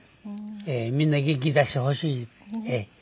みんな元気出してほしいって。